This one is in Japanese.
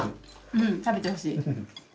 うん食べてほしい。